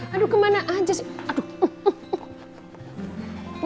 aduh kemana aja sih